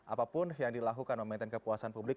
apapun yang dilakukan memaintain kepuasan publik